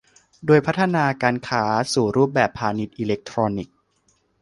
โดยพัฒนาการค้าสู่รูปแบบพาณิชย์อิเล็กทรอนิกส์